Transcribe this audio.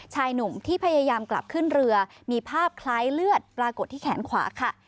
ชายหนุ่มที่พยายามกลับขึ้นเรือมีภาพคล้ายเลือดปรากฏที่แขนขวาค่ะ